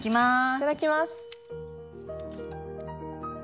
いただきます。